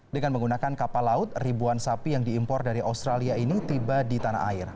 dengan menggunakan kapal laut ribuan sapi yang diimpor dari australia ini tiba di tanah air